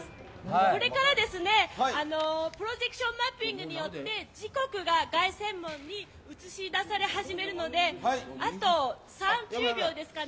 これからプロジェクションマッピングによって時刻が凱旋門に映し出されるのであと３０秒ですかね。